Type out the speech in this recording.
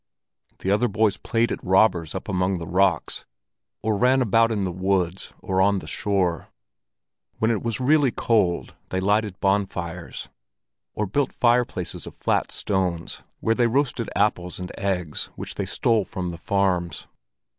The other boys played at robbers up among the rocks, or ran about in the woods or on the shore. When it was really cold they lighted bonfires, or built fireplaces of flat stones, where they roasted apples and eggs which they stole from the farms.